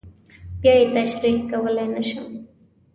بیا یې تشریح کولی نه شم.